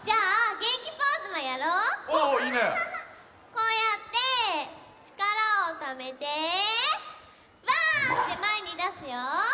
こうやってちからをためて「ばあっ」ってまえにだすよ！